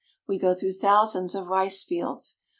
We go through thousands of rice fields.